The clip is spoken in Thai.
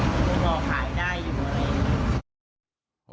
ฮือหอหายได้อยู่เลย